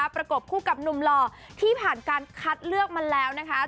ประกบคู่กับหนุ่มหล่อที่ผ่านการคัดเลือกมาแล้วนะคะ